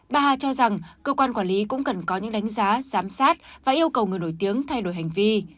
bà hà cho rằng cơ quan quản lý cũng cần có những đánh giá giám sát và yêu cầu người nổi tiếng thay đổi hành vi